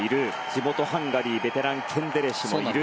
地元ハンガリーベテラン、ケンデレシもいる。